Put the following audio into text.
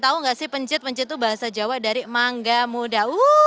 tahu nggak sih pencit pencit itu bahasa jawa dari mangga muda